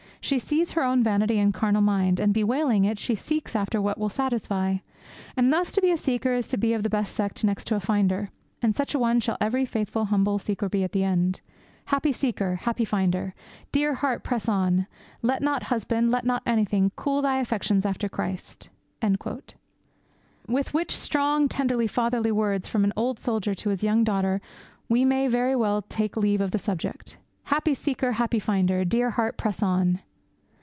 She sees her own vanity and carnal mind, and, bewailing it, she seeks after what will satisfy. And thus to be a seeker is to be of the best sect next to a finder, and such an one shall every faithful humble seeker be at the end. Happy seeker; happy finder! Dear heart, press on! Let not husband, let not anything, cool thy affections after Christ!' With which strong, tender, fatherly words from an old soldier to his young daughter we may very well take leave of the subject. 'Happy seeker; happy finder! Dear heart, press on!'